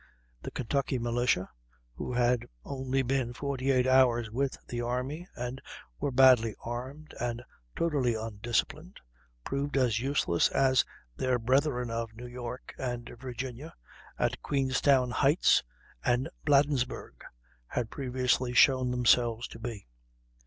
The Kentucky militia, who had only been 48 hours with the army and were badly armed and totally undisciplined, proved as useless as their brethren of New York and Virginia, at Queenstown Heights and Bladensburg, had previously shown themselves to be.